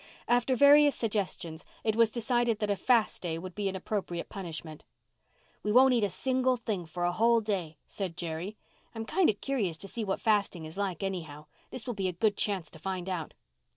After various suggestions, it was decided that a fast day would be an appropriate punishment. "We won't eat a single thing for a whole day," said Jerry. "I'm kind of curious to see what fasting is like, anyhow. This will be a good chance to find out."